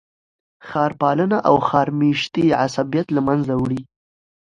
ښار پالنه او ښار میشتي عصبیت له منځه وړي.